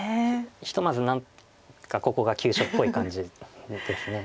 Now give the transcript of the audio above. ひとまず何かここが急所っぽい感じです。